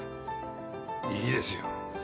いいですよ。